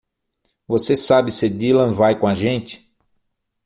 Você sabe se Dylan vai com a gente?